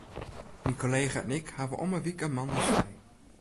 Myn kollega en ik hawwe om 'e wike moandeis frij.